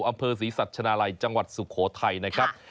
อำเภอศรีสัชนาลัยจังหวัดสุโขทัยนะครับ